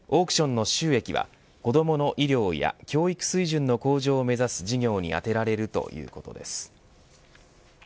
オークションの収益は子どもの医療や教育水準の向上を目指す事業に充てられるということです。